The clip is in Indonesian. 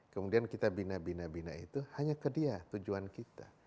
kemudian kita bina bina bina itu hanya ke dia tujuan kita